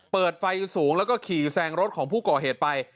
เปิดไฟสูงแล้วก็ขี่แซงรถของผู้ก่อเหตุไป